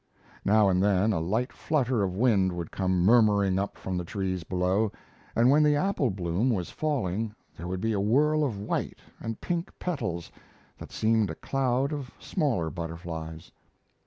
Now and then a light flutter of wind would come murmuring up from the trees below, and when the apple bloom was falling there would be a whirl of white and pink petals that seemed a cloud of smaller butterflies.